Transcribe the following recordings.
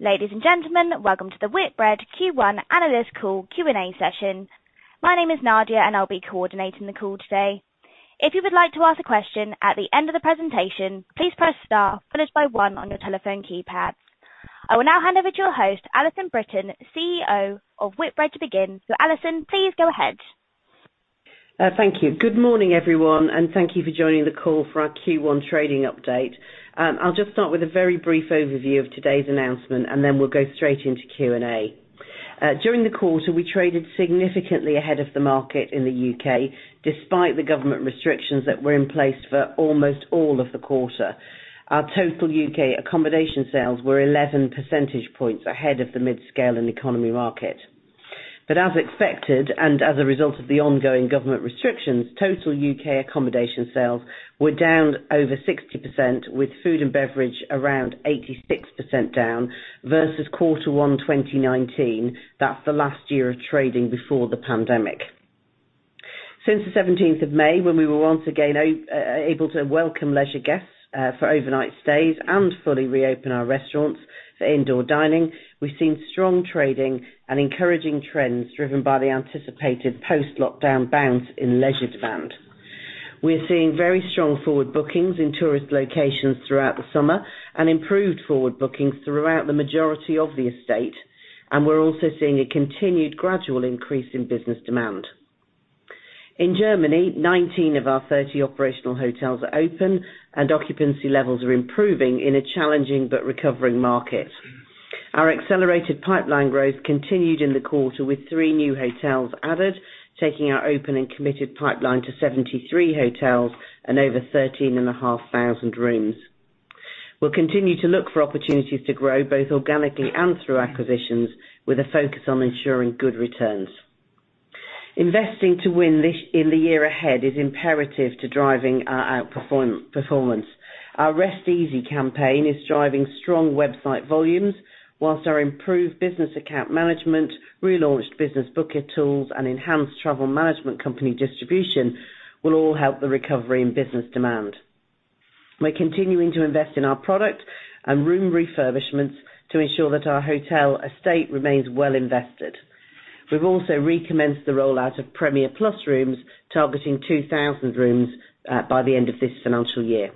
Ladies and gentlemen, welcome to the Whitbread Q1 Analyst Call Q&A session. My name is Nadia, and I'll be coordinating the call today. If you would like to ask a question at the end of the presentation, please press star followed by one on your telephone keypads. I will now hand over to your host, Alison Brittain, CEO of Whitbread, to begin. Alison, please go ahead. Thank you. Good morning, everyone, and thank you for joining the call for our Q1 trading update. I'll just start with a very brief overview of today's announcement, and then we'll go straight into Q&A. During the quarter, we traded significantly ahead of the market in the U.K. despite the government restrictions that were in place for almost all of the quarter. Our total U.K. accommodation sales were 11 percentage points ahead of the mid-scale and economy market. As expected and as a result of the ongoing government restrictions, total U.K. accommodation sales were down over 60% with food and beverage around 86% down versus quarter one 2019. That's the last year of trading before the pandemic. Since the May 17th, when we were once again able to welcome leisure guests for overnight stays and fully reopen our restaurants for indoor dining, we've seen strong trading and encouraging trends driven by the anticipated post-lockdown bounce in leisure spend. We're seeing very strong forward bookings in tourist locations throughout the summer and improved forward bookings throughout the majority of the estate, and we're also seeing a continued gradual increase in business demand. In Germany, 19 of our 30 operational hotels are open, and occupancy levels are improving in a challenging but recovering market. Our accelerated pipeline growth continued in the quarter with 3 new hotels added, taking our open and committed pipeline to 73 hotels and over 13,500 rooms. We'll continue to look for opportunities to grow, both organically and through acquisitions, with a focus on ensuring good returns. Investing to win in the year ahead is imperative to driving our outperformance. Our Rest Easy campaign is driving strong website volumes, whilst our improved business account management, relaunched Business Booker tools, and enhanced travel management company distribution will all help the recovery in business demand. We're continuing to invest in our product and room refurbishments to ensure that our hotel estate remains well invested. We've also recommenced the rollout of Premier Plus rooms, targeting 2,000 rooms by the end of this financial year.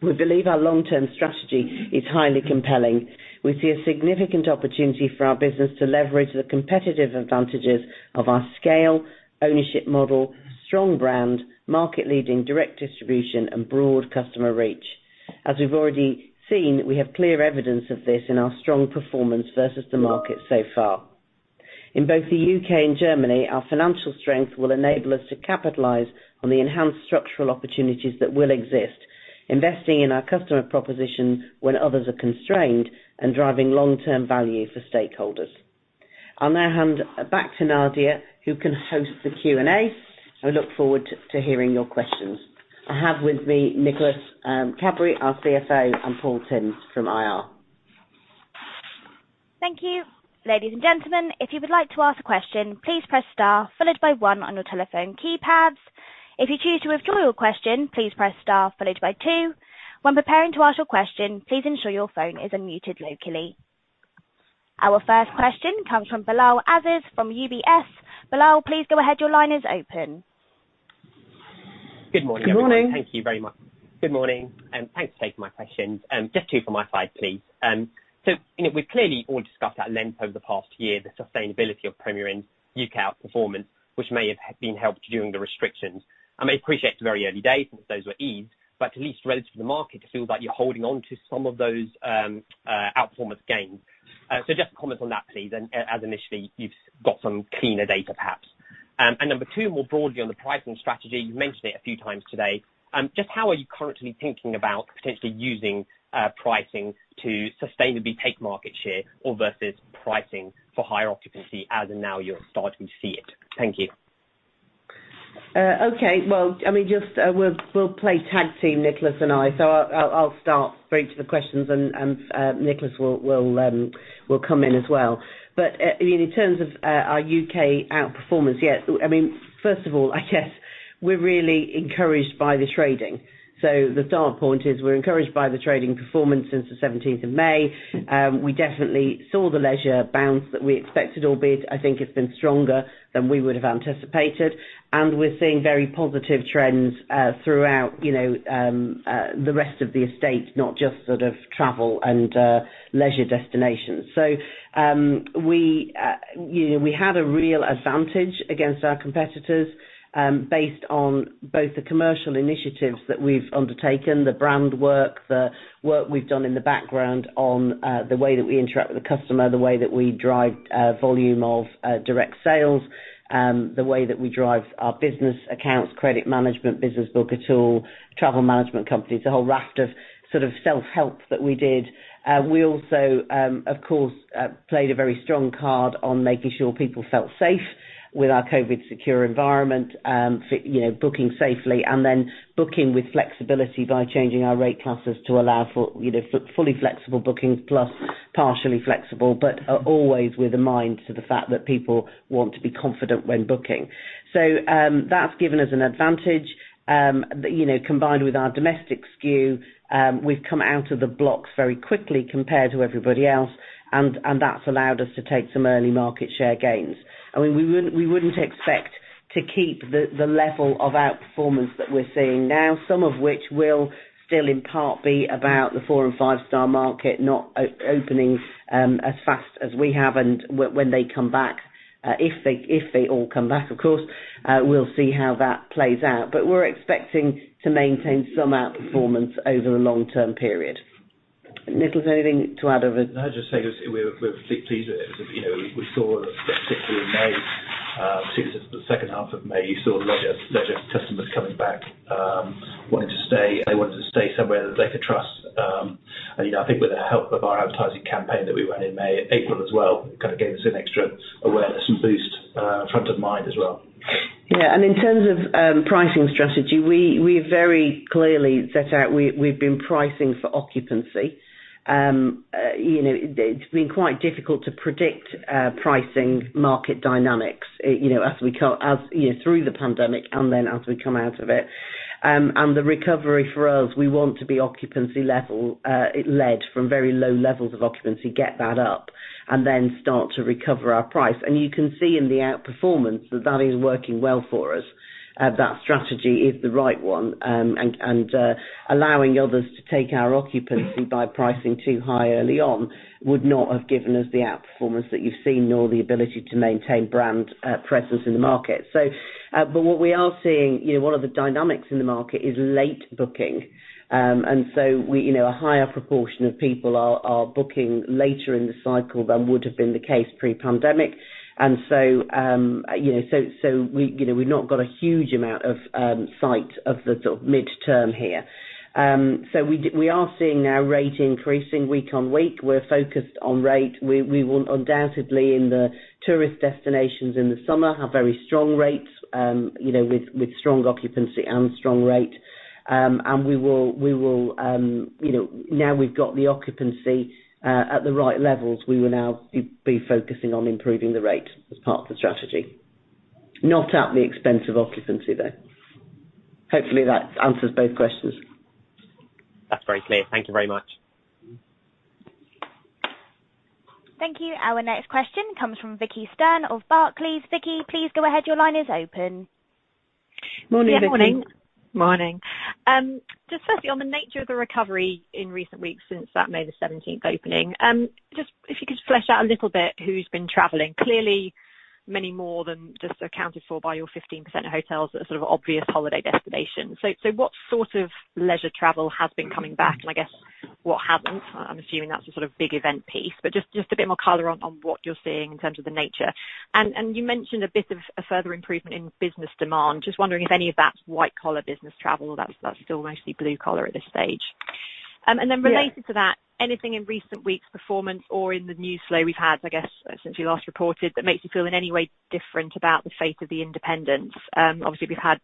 We believe our long-term strategy is highly compelling. We see a significant opportunity for our business to leverage the competitive advantages of our scale, ownership model, strong brand, market-leading direct distribution, and broad customer reach. As we've already seen, we have clear evidence of this in our strong performance versus the market so far. In both the U.K. and Germany, our financial strength will enable us to capitalize on the enhanced structural opportunities that will exist, investing in our customer proposition when others are constrained and driving long-term value for stakeholders. I'll now hand it back to Nadia, who can host the Q&A. I look forward to hearing your questions. I have with me Nicholas Cadbury, our CFO, and Paul Timms from IR. Thank you. Ladies and gentlemen, if you would like to ask a question, please press star followed by one on your telephone keypads. If you choose to withdraw your question, please press star followed by two. When preparing to ask your question, please ensure your phone is unmuted locally. Our first question comes from Bilal Aziz from UBS. Bilal, please go ahead. Your line is open. Good morning. Good morning. Thank you very much. Good morning. Thanks for taking my question. Just two from my side, please. We've clearly all discussed at length over the past year the sustainability of Premier Inn's U.K. outperformance, which may have been helped during the restrictions. I appreciate it's very early days since those were eased. Can you speak to the market to feel like you're holding onto some of those outperformance gains? Just comment on that, please, as initially you've got some cleaner data perhaps. Number two, more broadly on the pricing strategy. You mentioned it a few times today. Just how are you currently thinking about potentially using pricing to sustainably take market share or versus pricing for higher occupancy as now you're starting to see it? Thank you. We'll play tag team, Nicholas and I. I'll start briefly the questions, and Nicholas will come in as well. In terms of our U.K. outperformance, first of all, I guess we're really encouraged by the trading. The start point is we're encouraged by the trading performance since the May 17th. We definitely saw the leisure bounce that we expected, albeit I think it's been stronger than we would've anticipated, and we're seeing very positive trends throughout the rest of the estate, not just sort of travel and leisure destinations. We had a real advantage against our competitors based on both the commercial initiatives that we've undertaken, the brand work, the work we've done in the background on the way that we interact with the customer, the way that we drive volume of direct sales, the way that we drive our business accounts, credit management, Business Booker tool, Travel Management Companies, a whole raft of sort of self-help that we did. We also, of course, played a very strong card on making sure people felt safe with our COVID-secure environment, booking safely, and then booking with flexibility by changing our rate classes to allow for fully flexible bookings plus partially flexible, but always with a mind to the fact that people want to be confident when booking. That's given us an advantage. Combined with our domestic skew, we've come out of the blocks very quickly compared to everybody else. That's allowed us to take some early market share gains. We wouldn't expect to keep the level of outperformance that we're seeing now, some of which will still in part be about the four and five-star market not opening as fast as we have. When they come back, if they all come back, of course, we'll see how that plays out. We're expecting to maintain some outperformance over a long-term period. Nicholas, anything to add? I'd just say we're pretty pleased. We saw particularly in May, since the second half of May, you saw leisure customers coming back, wanted to stay somewhere that they could trust. I think with the help of our advertising campaign that we ran in April as well, kind of gave us an extra awareness and boost front of mind as well. Yeah. In terms of pricing strategy, we very clearly set out we've been pricing for occupancy. It's been quite difficult to predict pricing market dynamics through the pandemic and then as we come out of it. The recovery for us, we want to be occupancy-led from very low levels of occupancy, get that up then start to recover our price. You can see in the outperformance that is working well for us. That strategy is the right one. Allowing others to take our occupancy by pricing too high early on would not have given us the outperformance that you've seen or the ability to maintain brand presence in the market. What we are seeing, one of the dynamics in the market is late booking. A higher proportion of people are booking later in the cycle than would've been the case pre-pandemic. We've not got a huge amount of sight of the sort of midterm here. We are seeing our rate increasing week on week. We're focused on rate. We will undoubtedly in the tourist destinations in the summer have very strong rates, with strong occupancy and strong rate. We've got the occupancy at the right levels, we will now be focusing on improving the rate as part of the strategy. Not at the expense of occupancy, though. Hopefully that answers both questions. That's very clear. Thank you very much. Thank you. Our next question comes from Vicki Stern of Barclays. Vicki, please go ahead. Your line is open. Morning, Vicki. Morning. Just slightly on the nature of the recovery in recent weeks since that May the 17th opening, just if you could flesh out a little bit who's been traveling. Clearly many more than sort of accounted for by your 15% hotels that are sort of obvious holiday destinations. What sort of leisure travel has been coming back? I guess what hasn't? I'm assuming that's a sort of big event piece, but just a bit more color on what you're seeing in terms of the nature. You mentioned a bit of a further improvement in business demand. Just wondering if any of that's white-collar business travel or that's still mostly blue collar at this stage. Yeah. Related to that, anything in recent weeks' performance or in the news flow we've had, I guess since you last reported, that makes you feel in any way different about the fate of the independents? Obviously, we've had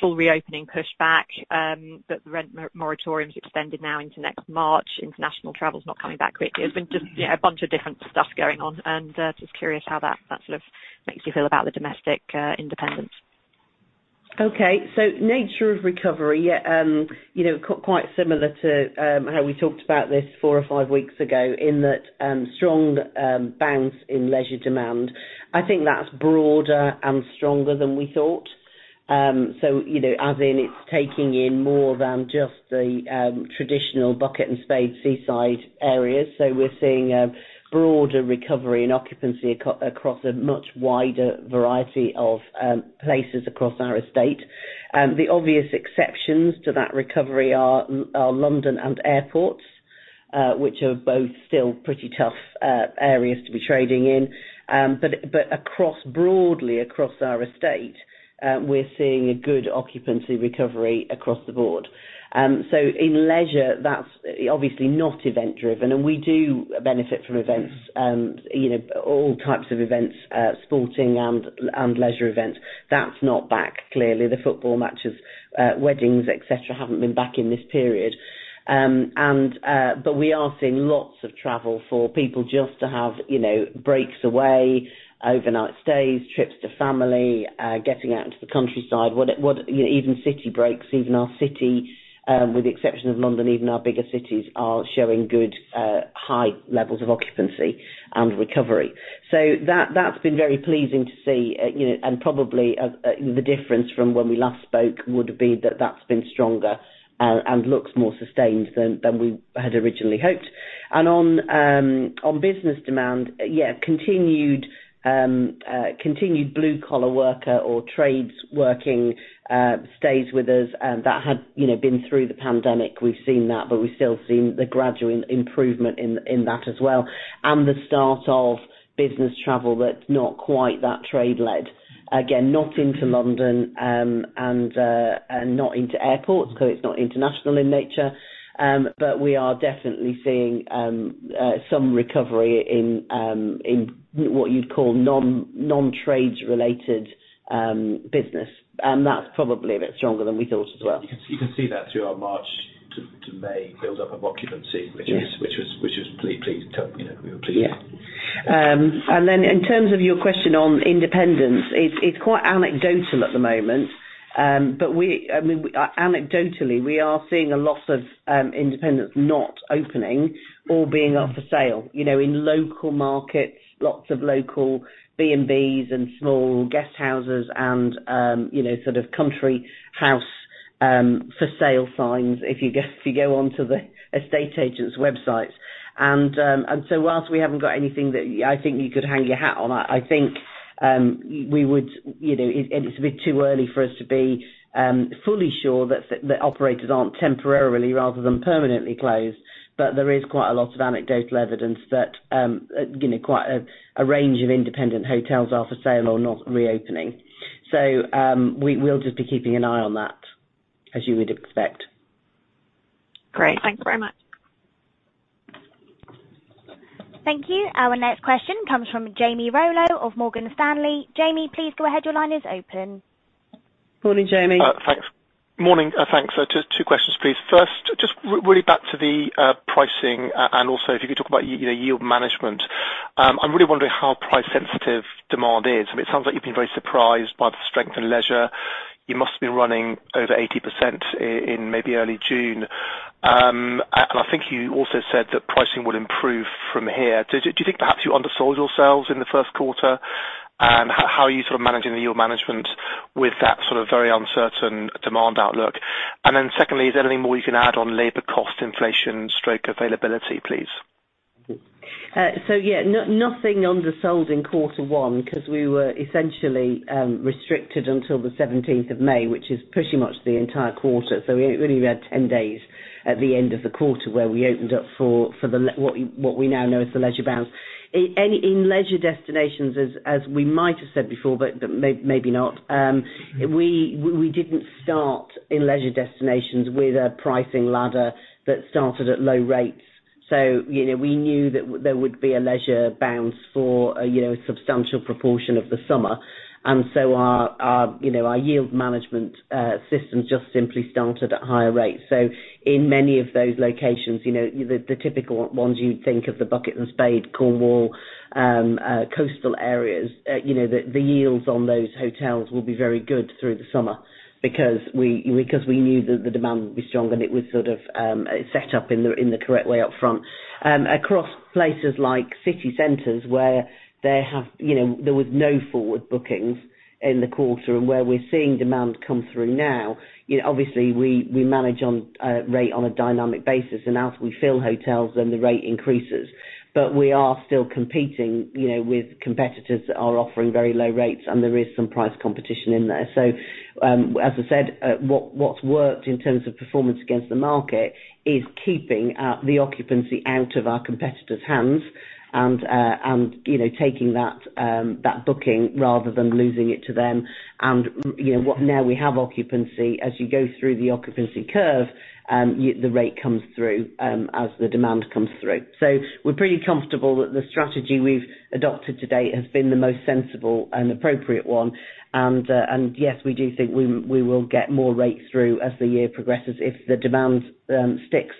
full reopening pushback. The rent moratorium's extended now into next March. International travel's not coming back quickly. There's been just a bunch of different stuff going on, and just curious how that sort of makes you feel about the domestic independents. Okay. Nature of recovery, quite similar to how we talked about this four or five weeks ago in that strong bounce in leisure demand. I think that's broader and stronger than we thought. As in it's taking in more than just the traditional bucket-and- spade seaside areas. We're seeing a broader recovery in occupancy across a much wider variety of places across our estate. The obvious exceptions to that recovery are London and airports, which are both still pretty tough areas to be trading in. Broadly across our estate, we're seeing a good occupancy recovery across the board. In leisure, that's obviously not event driven. We do benefit from events, all types of events, sporting and leisure events. That's not back. Clearly the football matches, weddings, et cetera, haven't been back in this period. We are seeing lots of travel for people just to have breaks away, overnight stays, trips to family, getting out into the countryside. Even city breaks, even our city, with the exception of London, even our bigger cities are showing good high levels of occupancy and recovery. That's been very pleasing to see, and probably the difference from when we last spoke would be that that's been stronger and looks more sustained than we had originally hoped. On business demand, yeah, continued blue-collar worker or trades working stays with us. That had been through the pandemic. We've seen that, but we're still seeing the gradual improvement in that as well, and the start of business travel that's not quite that trade-led. Again, not into London and not into airports because it's not international in nature. We are definitely seeing some recovery in what you'd call non-trades related business. That's probably a bit stronger than we thought as well. You can see that too, our March to May build-up of occupancy. Yes which is pretty pleasing. Yeah. In terms of your question on independents, it's quite anecdotally at the moment. Anecdotally, we are seeing a lot of independents not opening or being up for sale in local markets, lots of local B&Bs and small guesthouses and country house for sale signs if you go onto the estate agents' websites. Whilst we haven't got anything that I think you could hang your hat on, I think it'd be too early for us to be fully sure that the operators aren't temporarily rather than permanently closed. There is quite a lot of anecdotal evidence that quite a range of independent hotels are for sale or not reopening. We'll just be keeping an eye on that, as you would expect. Great. Thank you very much. Thank you. Our next question comes from Jamie Rollo of Morgan Stanley. Jamie, please go ahead. Your line is open. Morning, Jamie. Morning. Thanks. Just two questions, please. First, just really back to the pricing and also if you could talk about your yield management. I'm really wondering how price-sensitive demand is. It sounds like you've been very surprised by the strength in leisure. You must be running over 80% in maybe early June. I think you also said that pricing will improve from here. Do you think perhaps you undersold yourselves in the first quarter? How are you managing your management with that sort of very uncertain demand outlook? Secondly, is there any more you can add on labor cost inflation/availability, please? Yeah, nothing undersold in quarter one because we were essentially restricted until the May 17th, which is pretty much the entire quarter. We only had 10 days at the end of the quarter where we opened up for what we now know as the leisure bounce. In leisure destinations as we might have said before, but maybe not, we didn't start in leisure destinations with a pricing ladder that started at low rates. Our yield management systems just simply started at higher rates. In many of those locations, the typical ones you'd think of, The Bucket & Spade, Cornwall, coastal areas, the yields on those hotels will be very good through the summer because we knew that the demand would be strong and it was sort of set up in the correct way up front. Across places like city centers where there was no forward bookings in the quarter and where we're seeing demand come through now, obviously we manage on a dynamic basis and as we fill hotels then the rate increases. We are still competing with competitors that are offering very low rates and there is some price competition in there. As I said, what's worked in terms of performance against the market is keeping the occupancy out of our competitors' hands and taking that booking rather than losing it to them. Now we have occupancy as you go through the occupancy curve, the rate comes through as the demand comes through. We're pretty comfortable that the strategy we've adopted to date has been the most sensible and appropriate one. Yes, we do think we will get more rates through as the year progresses if the demand sticks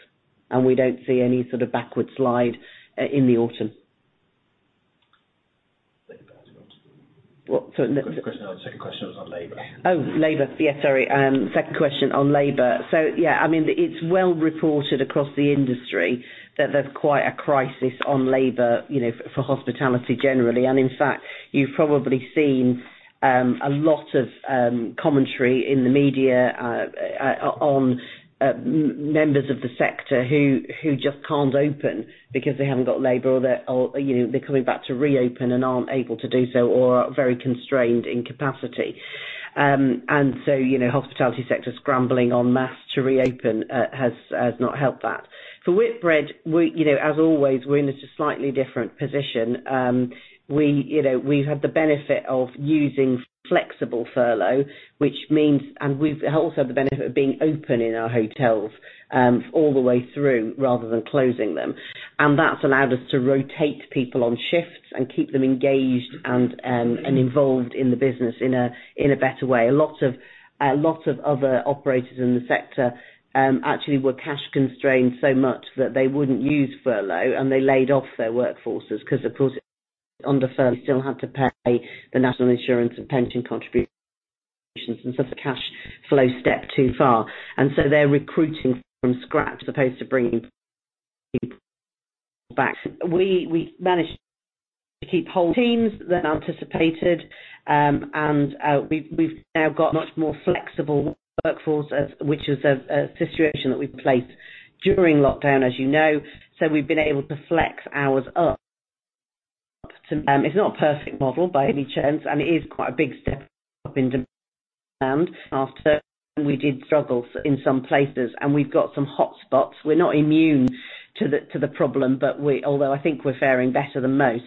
and we don't see any sort of backward slide in the autumn. Second question on labor. Oh, labor. Yes, sorry. Second question on labor. Yeah, it's well reported across the industry that there's quite a crisis on labor for hospitality generally and in fact you've probably seen a lot of commentary in the media on members of the sector who just can't open because they haven't got labor or they're coming back to reopen and aren't able to do so or are very constrained in capacity. Hospitality sector scrambling en masse to reopen has not helped that. For Whitbread, as always, we're in a slightly different position. We've had the benefit of using flexible furlough and also the benefit of being open in our hotels all the way through rather than closing them. That's allowed us to rotate people on shifts and keep them engaged and involved in the business in a better way. Lots of other operators in the sector actually were cash constrained so much that they wouldn't use furlough. They laid off their workforces because of course on the furlough you still have to pay the National Insurance and pension contributions and stuff. The cash flow step too far. They're recruiting from scratch as opposed to bringing people back. We managed to keep whole teams than anticipated. We've now got much more flexible workforce which is a situation that we've placed during lockdown as you know. We've been able to flex hours up. It's not a perfect model by any chance. It is quite a big step up in demand after we did struggle in some places. We've got some hotspots. We're not immune to the problem, although I think we're faring better than most.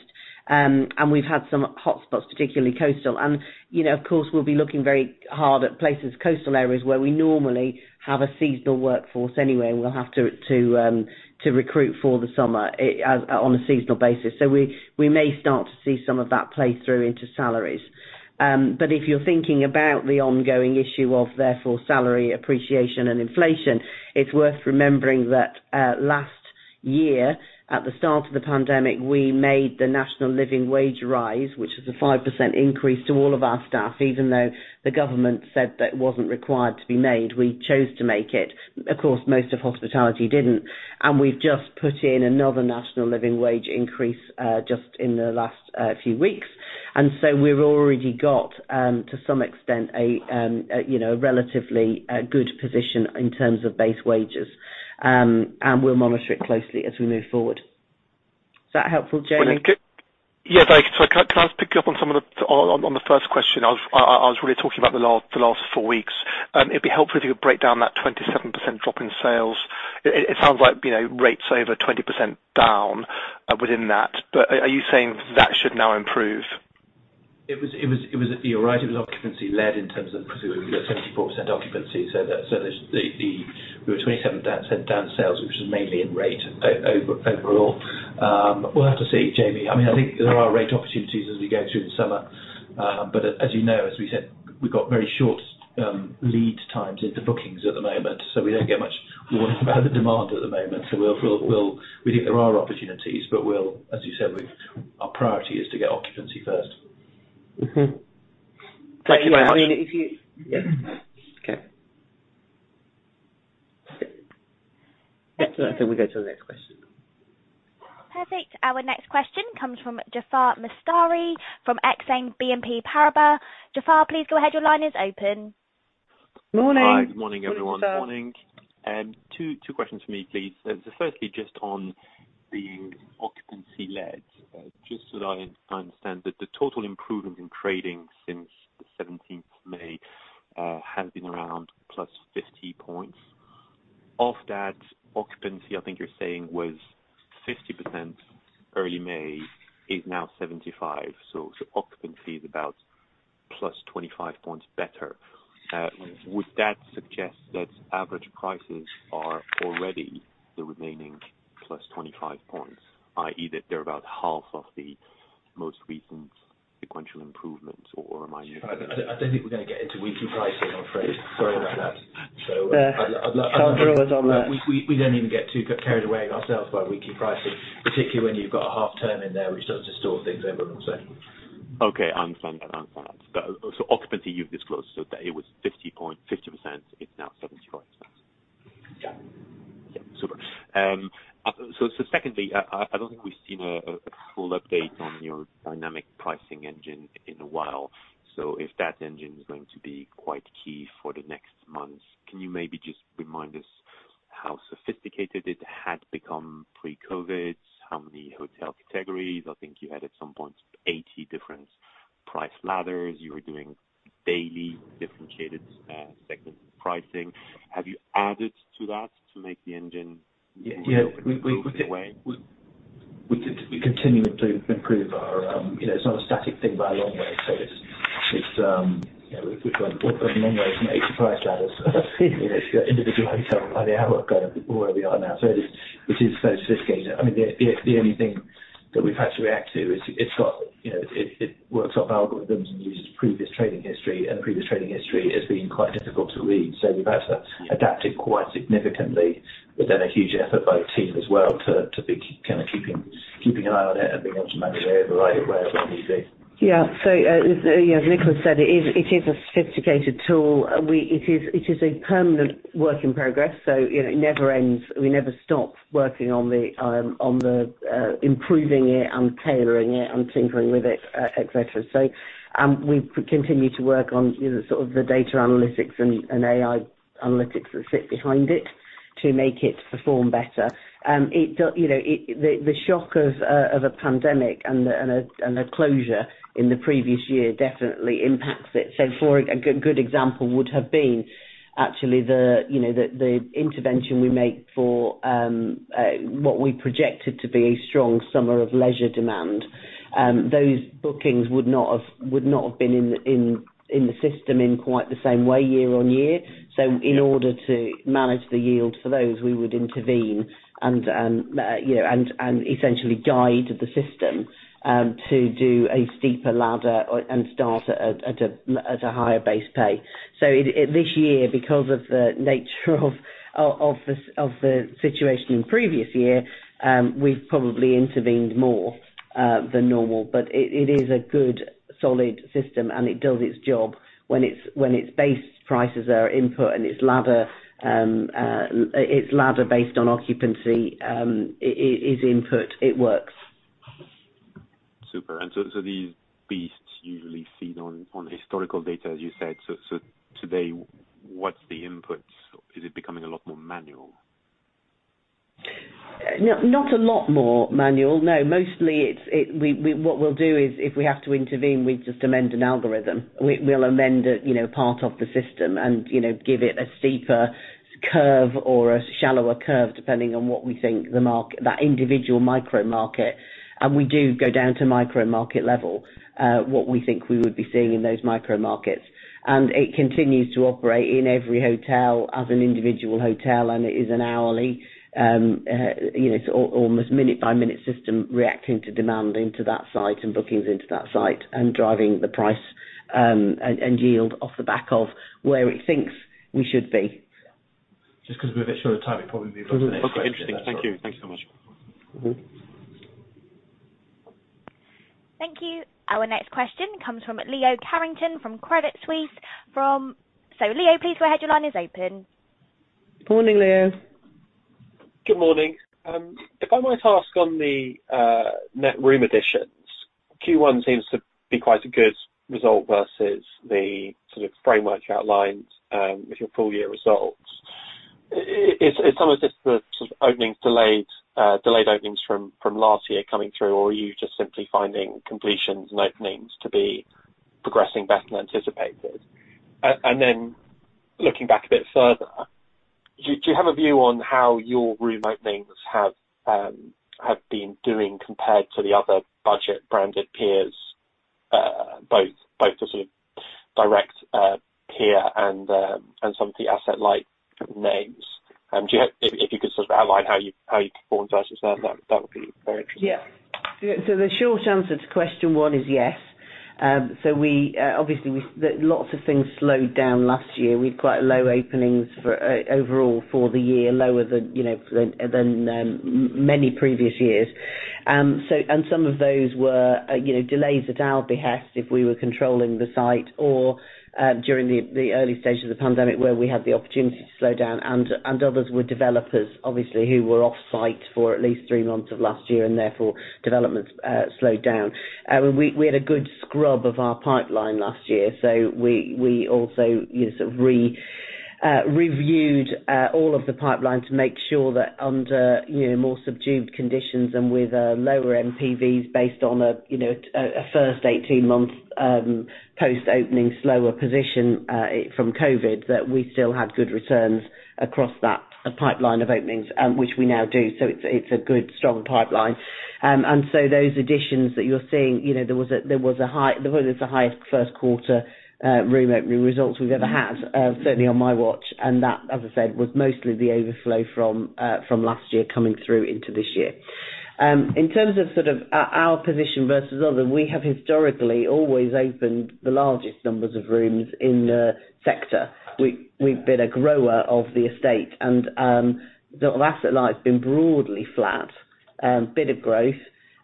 We've had some hotspots particularly coastal and of course we'll be looking very hard at places, coastal areas where we normally have a seasonal workforce anyway and we'll have to recruit for the summer on a seasonal basis. We may start to see some of that play through into salaries. If you're thinking about the ongoing issue of therefore salary appreciation and inflation, it's worth remembering that last- Year, at the start of the pandemic, we made the National Living Wage rise, which is a 5% increase to all of our staff, even though the government said that it wasn't required to be made. We chose to make it. Of course, most of hospitality didn't. We've just put in another National Living Wage increase just in the last few weeks. So we've already got, to some extent, a relatively good position in terms of base wages. We'll monitor it closely as we move forward. Is that helpful, Jamie? Yeah. Can I just pick up on the first question? I was really talking about the last four weeks. It'd be helpful to break down that 27% drop in sales. It sounds like rates over 20% down within that, but are you saying that should now improve? It was a rise of occupancy led in terms of the 74% occupancy. We had 27% down sales, which was mainly in rate overall. We'll have to see, Jamie. I think there are rate opportunities as we go through the summer. As you know, as we said, we've got very short lead times into bookings at the moment, so we don't get much advance demand at the moment. We think there are opportunities, but as you said, our priority is to get occupancy first. Anyway, I mean. Yeah. Okay. Excellent. We'll go to the next question. Perfect. Our next question comes from Jaafar Mestari from Exane BNP Paribas. Jaafar, please go ahead. Your line is open. Morning. Hi. Morning, everyone. Morning. Two questions for me, please. Firstly, just on being occupancy led. Just so I understand, the total improvement in trading since the May 17th has been around +50 points. Of that occupancy, I think you're saying was 50% early May, is now 75%, so occupancy is about +25 points better. Would that suggest that average prices are already the remaining +25 points, i.e., that they're about half of the most recent sequential improvements, or am I missing something? I don't think we're going to get into weekly pricing, I'm afraid. Sorry about that. Fair. We don't even get too carried away ourselves by weekly pricing, particularly when you've got a half term in there which starts to distort things a little. Okay, I understand that. Occupancy you've disclosed, so that it was 50%, it's now 75%. Yeah. Super. Secondly, I don't think we've seen a full update on your dynamic pricing engine in a while. If that engine is going to be quite key for the next months, can you maybe just remind us how sophisticated it had become pre-COVID? How many hotel categories? I think you had at some point 80 different price ladders. You were doing daily differentiated segments of pricing. Have you added to that to make the engine away? It's not a static thing by a long way. We've got a long way from 80 price ladders to individual hotel by the hour where we are now. It is sophisticated. The only thing that we've had to react to is it works off algorithms and uses previous trading history. Previous trading history has been quite difficult to read. We've had to adapt it quite significantly. We've done a huge effort by the team as well to be keeping an eye on it and being able to manage it in the right way as we do. Yeah. As Nicholas said, it is a sophisticated tool. It is a permanent work in progress, so it never ends, and we never stop working on improving it and tailoring it and tinkering with it, et cetera. We continue to work on the data analytics and AI analytics that sit behind it to make it perform better. The shock of a pandemic and a closure in the previous year definitely impacts it. A good example would have been actually the intervention we make for what we projected to be a strong summer of leisure demand. Those bookings would not have been in the system in quite the same way year on year. In order to manage the yield for those, we would intervene and essentially guide the system to do a steeper ladder and start at a higher base pay. This year, because of the nature of the situation in the previous year, we've probably intervened more than normal. It is a good, solid system, and it does its job when its base prices are input and its ladder based on occupancy is input. It works. Super. These beasts usually feed on historical data, as you said. Today, what's the inputs? Is it becoming a lot more manual? Not a lot more manual, no. Mostly, what we'll do is if we have to intervene, we just amend an algorithm. We'll amend it, part of the system and give it a steeper curve or a shallower curve, depending on what we think that individual micro-market, and we do go down to micro-market level, what we think we would be seeing in those micro-markets. It continues to operate in every hotel as an individual hotel, and it is an hourly, almost minute-by-minute system reacting to demand into that site and bookings into that site and driving the price. Yield off the back of where it thinks we should be. Just because we're a bit short of time, probably the most interesting. Okay. Thank you. Thank you so much. No problem. Thank you. Our next question comes from Leo Carrington from Credit Suisse. Leo, please go ahead. Your line is open. Morning, Leo. Good morning. If I might ask on the net room additions, Q1 seems to be quite a good result versus the framework outlined with your full-year results. Is some of this the delayed openings from last year coming through, or are you just simply finding completions and openings to be progressing better than anticipated? Then looking back a bit further, do you have a view on how your room openings have been doing compared to the other budget branded peers, both as a direct peer and some of the asset light names? Yeah. If you could outline how you performed versus them, that would be very interesting. The short answer to question one is yes. Obviously, lots of things slowed down last year. We had quite low openings overall for the year, lower than many previous years. Some of those were delays at our behest if we were controlling the site, or during the early stages of the pandemic where we had the opportunity to slow down, and others were developers obviously, who were off-site for at least three months of last year and therefore development slowed down. We had a good scrub of our pipeline last year. We also re-reviewed all of the pipeline to make sure that under more subdued conditions and with lower NPVs based on a first 18 months post-opening slower position from COVID, that we still have good returns across that pipeline of openings, which we now do. It's a good, strong pipeline. Those additions that you're seeing, there was the highest first quarter room opening results we've ever had, certainly on my watch, and that, as I said, was mostly the overflow from last year coming through into this year. In terms of our position versus others, we have historically always opened the largest numbers of rooms in the sector. We've been a grower of the estate and the asset light's been broadly flat, a bit of growth.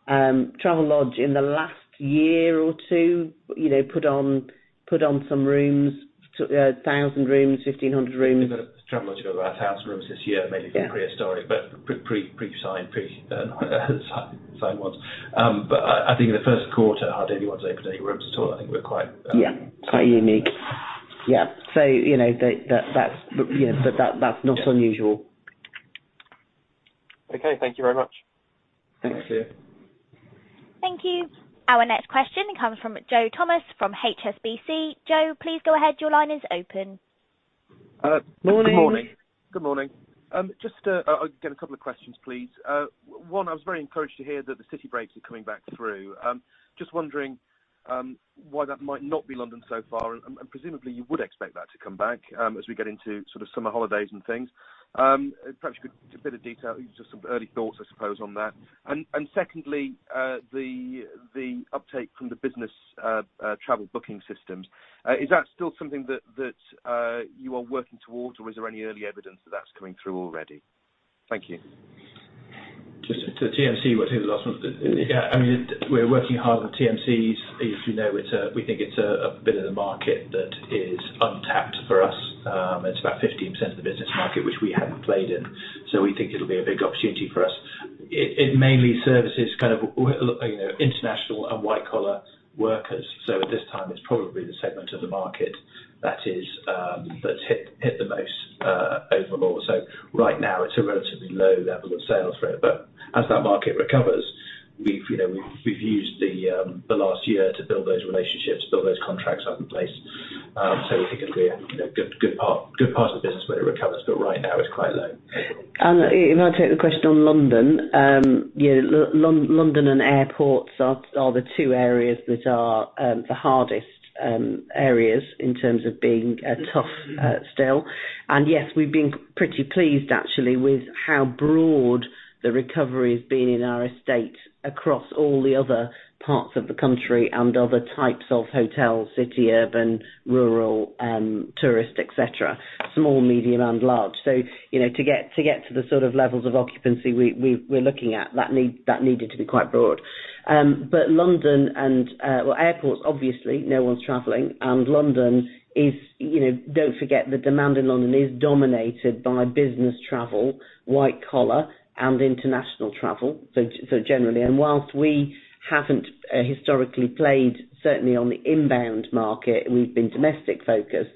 Travelodge in the last year or two put on some rooms, 1,000 rooms, 1,500 rooms. Travelodge about 1,000 rooms this year, maybe a pre- Yeah sign one. I think in the first quarter, I don't think we've opened any rooms at all. Yeah, quite unique. Yeah. That's not unusual. Okay, thank you very much. Thanks, Leo. Thank you. Our next question comes from Joe Thomas from HSBC. Joe, please go ahead. Your line is open. Morning. Good morning. Just again, a couple of questions, please. One, I was very encouraged to hear that the city breaks are coming back through. Just wondering why that might not be London so far, and presumably you would expect that to come back as we get into summer holidays and things? Perhaps you could give a bit of detail, just some early thoughts, I suppose, on that? Secondly, the uptake from the business travel booking systems, is that still something that you are working towards, or is there any early evidence that that's coming through already? Thank you. Just to TMC, I mean, we're working hard on TMCs. As you know, we think it's a bit of the market that is untapped for us. It's about 15% of the business market, which we haven't played in. We think it'll be a big opportunity for us. It mainly services international and white-collar workers. At this time, it's probably the segment of the market that's hit the most overall. Right now it's a relatively low level of sales for it. As that market recovers, we've used the last year to build those relationships, build those contracts up in place. We think it'll be a good part of the business when it recovers, but right now it's quite low. If I take the question on London and airports are the two areas that are the hardest areas in terms of being tough still. Yes, we've been pretty pleased actually with how broad the recovery has been in our estate across all the other parts of the country and other types of hotels, city, urban, rural, tourist, et cetera, small, medium, and large. To get to the sort of levels of occupancy we're looking at, that needed to be quite broad. London and airports, obviously, no one's traveling and London is, don't forget the demand in London is dominated by business travel, white collar, and international travel, so generally. Whilst we haven't historically played, certainly on the inbound market, and we've been domestic focused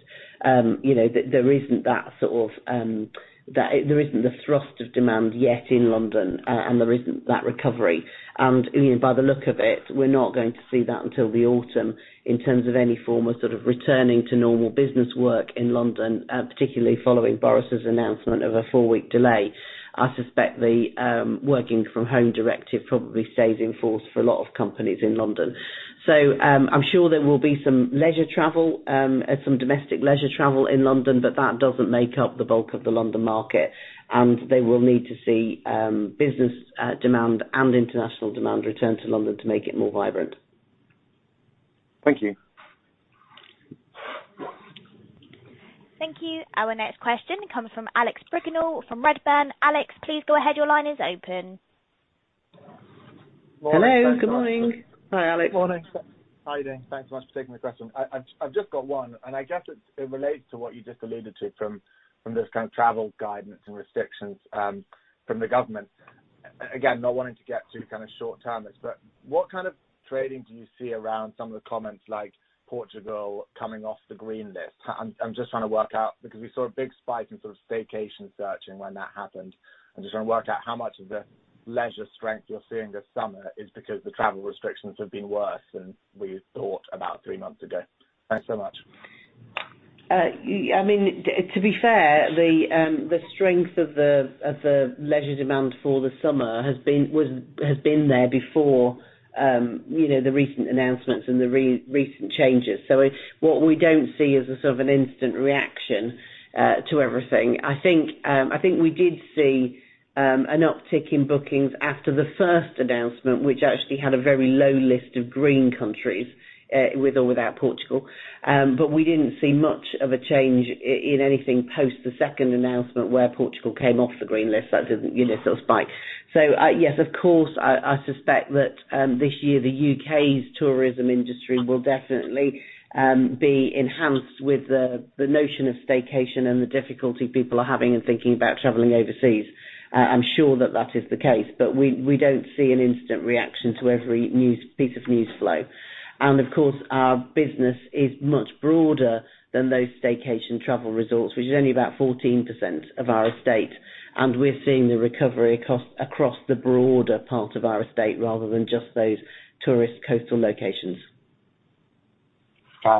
there isn't the thrust of demand yet in London and there isn't that recovery. By the look of it, we're not going to see that until the autumn in terms of any form of returning to normal business work in London, particularly following Boris's announcement of a four-week delay. I suspect the working from home directive probably stays in force for a lot of companies in London. I'm sure there will be some leisure travel, some domestic leisure travel in London, but that doesn't make up the bulk of the London market, and they will need to see business demand and international demand return to London to make it more vibrant. Thank you. Thank you. Our next question comes from Alex from Redburn. Alex, please go ahead. Your line is open. Hello. Good morning. Hi, Alex. Morning. How you doing? Thanks so much for taking the question. I've just got one, and I guess it relates to what you just alluded to from this travel guidance and restrictions from the government. Again, not wanting to get too short-termist, but what kind of trading do you see around some of the comments like Portugal coming off the green list? I'm just trying to work out because we saw a big spike in staycation searching when that happened. I'm just trying to work out how much of the leisure strength you're seeing this summer is because the travel restrictions have been worse than we thought about three months ago. Thanks so much. To be fair, the strength of the leisure demand for the summer has been there before the recent announcements and the recent changes. What we don't see is a sort of an instant reaction to everything. I think we did see an uptick in bookings after the first announcement, which actually had a very low list of green countries, with or without Portugal. We didn't see much of a change in anything post the second announcement where Portugal came off the green list. That didn't stimulate a spike. Yes, of course, I suspect that this year the U.K.'s tourism industry will definitely be enhanced with the notion of staycation and the difficulty people are having in thinking about traveling overseas. I'm sure that that is the case, but we don't see an instant reaction to every piece of news flow. Of course, our business is much broader than those staycation travel resorts, which is only about 14% of our estate, and we're seeing the recovery across the broader part of our estate rather than just those tourist coastal locations.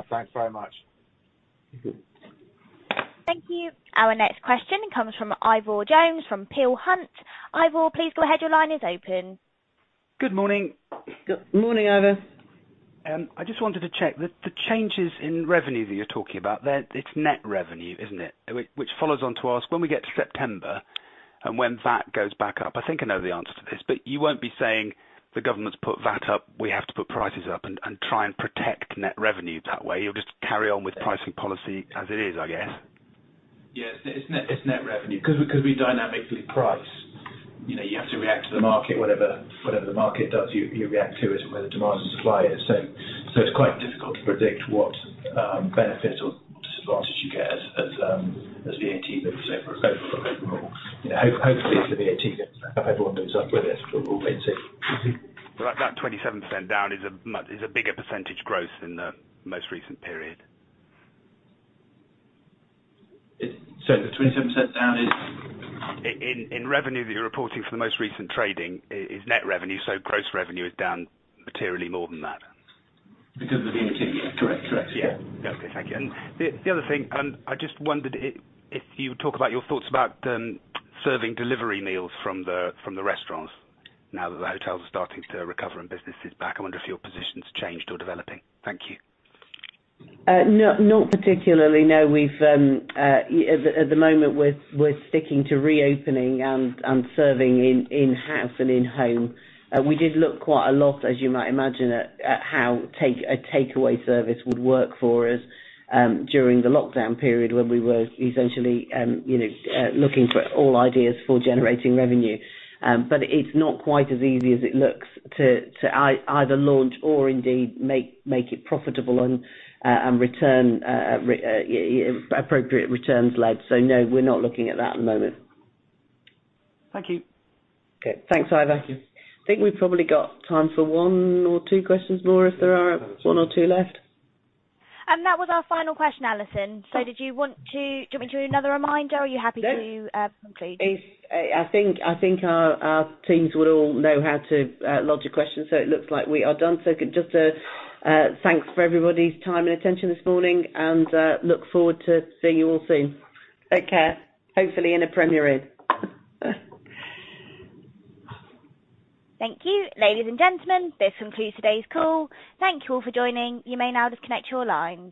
Thanks very much. Good. Thank you. Our next question comes from Ivor Jones from Peel Hunt. Ivor, please go ahead. Your line is open. Good morning. Morning, Alison. I just wanted to check the changes in revenue that you're talking about there. It's net revenue, isn't it? Which follows on to ask when we get to September and when VAT goes back up, I think I know the answer to this, but you won't be saying the government's put VAT up, we have to put prices up and try and protect net revenue that way. You'll just carry on with pricing policy as it is, I guess. Yeah, it's net revenue because we dynamically price. You have to react to the market. Whatever the market does, you react to it whether demand or supply is. It's quite difficult to predict what benefits or disadvantage you get as VAT moves over the course of the year. Hopefully, for the VAT, everyone moves up with us, but we'll wait and see. That 27% down is a bigger percentage growth in the most recent period. Sorry, 27% down is? In revenue that you're reporting for the most recent trading is net revenue. Gross revenue is down materially more than that. Because of the VAT. Correct. Okay. Thank you. The other thing, I just wondered if you would talk about your thoughts about serving delivery meals from the restaurants now that the hotels are starting to recover and business is back. I wonder if your position's changed or developing. Thank you. Not particularly, no. At the moment, we're sticking to reopening and serving in-house and in-home. We did look quite a lot, as you might imagine, at how a takeaway service would work for us during the lockdown period when we were essentially looking for all ideas for generating revenue. It's not quite as easy as it looks to either launch or indeed make it profitable and appropriate returns lead. No, we're not looking at that at the moment. Thank you. Okay. Thanks, Ivor. I think we've probably got time for one or two questions more if there are one or two left. That was our final question, Alison. Do you want me to do another reminder? Are you happy to conclude? I think our teams will all know how to lodge a question, so it looks like we are done. Just thanks for everybody's time and attention this morning and look forward to seeing you all soon. Take care. Hopefully in a Premier room. Thank you. Ladies and gentlemen, this concludes today's call. Thank you all for joining. You may now disconnect your lines.